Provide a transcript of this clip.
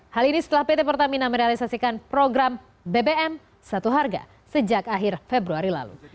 hal ini setelah pt pertamina merealisasikan program bbm satu harga sejak akhir februari lalu